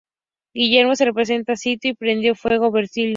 Guillermo en represalia sitió y prendió fuego Vercelli.